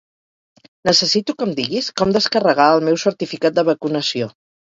Necessito que em diguis com descarregar el meu certificat de vacunació.